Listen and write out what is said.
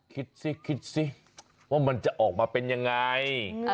คิดสิคิดสิว่ามันจะออกมาเป็นยังไง